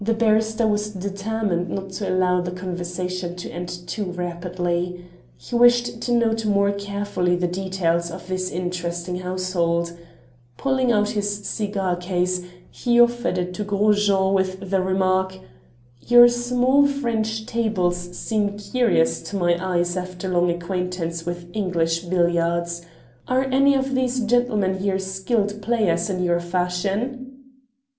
The barrister was determined not to allow the conversation to end too rapidly. He wished to note more carefully the details of this interesting household. Pulling out his cigar case, he offered it to Gros Jean with the remark: "Your small French tables seem curious to my eyes after long acquaintance with English billiards. Are any of these gentlemen here skilled players in your fashion?"